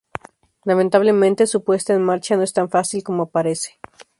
Lamentablemente su puesta en marcha no es tan fácil como parece.